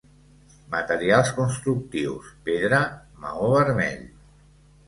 Materials constructius: pedra, maó vermell.